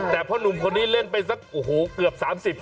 แต่พ่อหนุ่มคนนี้เล่นไปสักโอ้โหเกือบ๓๐